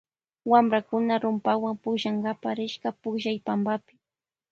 Wamprakuna rumpawan pukllnakapa rishka pukllaypampapi.